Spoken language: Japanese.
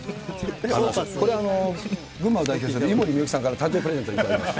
これ、群馬を代表する井森美幸さんから誕生日プレゼントに頂きました。